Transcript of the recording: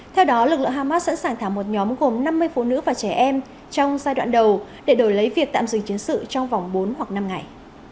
theo đó lực lượng hamas sẵn sàng thả một nhóm gồm năm mươi phụ nữ và trẻ em trong giai đoạn đầu để đổi lấy việc tạm dừng chiến sự trong vòng bốn hoặc năm ngày